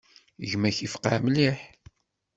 Gma-k yefqeε mliḥ.